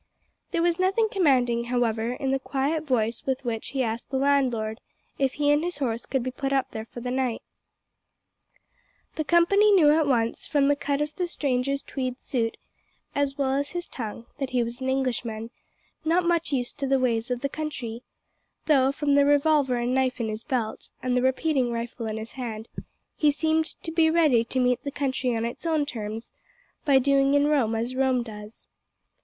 There was nothing commanding, however, in the quiet voice with which he asked the landlord if he and his horse could be put up there for the night. The company knew at once, from the cut of the stranger's tweed suit, as well as his tongue, that he was an Englishman, not much used to the ways of the country though, from the revolver and knife in his belt, and the repeating rifle in his hand, he seemed to be ready to meet the country on its own terms by doing in Rome as Rome does.